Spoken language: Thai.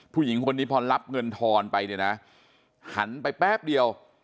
ผู้หญิงคนนี้พอรับเงินทอนไปเนี่ยนะหันไปแป๊บเดียว